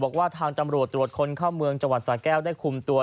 บอกว่าทางตำรวจตรวจคนเข้าเมืองจังหวัดสาแก้วได้คุมตัว